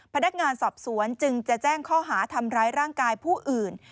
พนักงานสอบสวนจึงจะแจ้งข้อหาทำร้ายร่างกายผู้อื่น